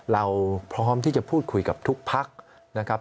เราพร้อมที่จะพูดคุยกับทุกพักนะครับ